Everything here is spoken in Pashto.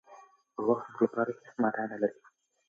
وخت زموږ لپاره هېڅ مانا نه لري.